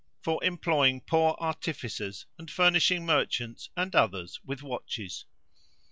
For employing poor artificers, and furnishing merchants and others with watches.